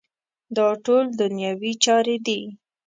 دا ټول دنیوي چارې دي.